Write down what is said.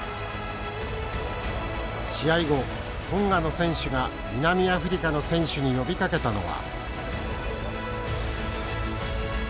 試合後トンガの選手が南アフリカの選手に呼びかけたのは。